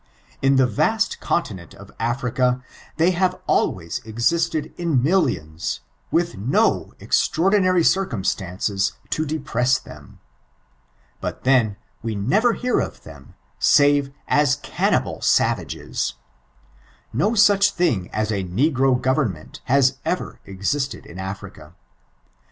In the vast continent of Africa they have alwaya existed in millinns, with do extraordinary circumstances to depress them. Bu^ then, we never hear of them, aave as cannibal aavagea. No auch thing aa a negro government has ever existed in Africa.